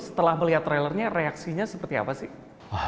setelah melihat trailernya reaksinya seperti apa sih